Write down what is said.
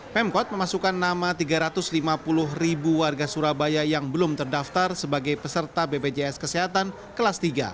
pemkot memasukkan nama tiga ratus lima puluh ribu warga surabaya yang belum terdaftar sebagai peserta bpjs kesehatan kelas tiga